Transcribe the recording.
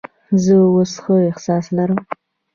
زه اوس ښه احساس لرم.